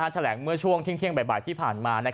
แถลงเมื่อช่วงเที่ยงบ่ายที่ผ่านมา